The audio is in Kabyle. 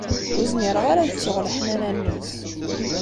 Ur zmireɣ ara ad ttuɣ leḥnana-nnes.